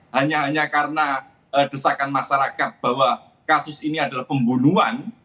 hanya hanya karena desakan masyarakat bahwa kasus ini adalah pembunuhan